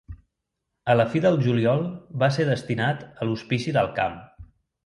A la fi del juliol va ser destinat a l'hospici del camp.